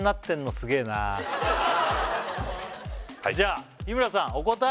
すげえなはいじゃあ日村さんお答え